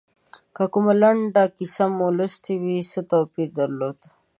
که کومه لنډه کیسه مو لوستي وي څه توپیر درلود.